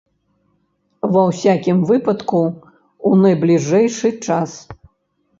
Ва ўсякім выпадку, у найбліжэйшы час.